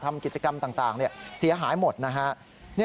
ทำกิจกรรมต่างเสียหายหมดนะฮะ